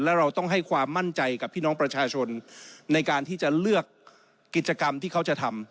แล้วเราต้องให้ความมั่นใจกับพี่น้องประชาชนในการที่จะเลือกกิจกรรมที่เขาจะทำ